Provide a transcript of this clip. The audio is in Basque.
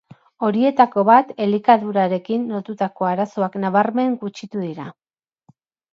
Horietako bat elikadurarekin lotutako arazoak nabarmen gutxitu dira.